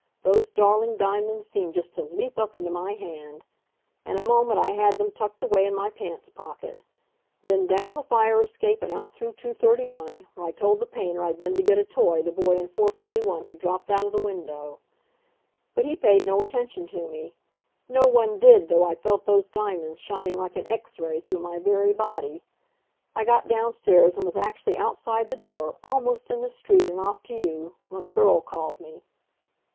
Those darling diamonds seemed just to leap up into my hand. In a moment I had them tucked away in my pants pocket. Then down the fire escape and out through 231, where I told the painter I'd been to get a toy the boy in 441 had dropped out of the window. But he paid no attention to me. No one did, though I felt those diamonds shining like an X ray through my very body. I got downstairs and was actually outside the door, almost in the street and off to you, when a girl called me.